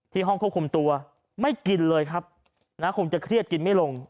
ห้องควบคุมตัวไม่กินเลยครับนะคงจะเครียดกินไม่ลง